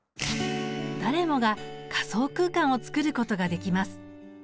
誰もが仮想空間を作ることができます。